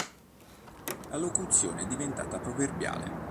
La locuzione è diventata proverbiale.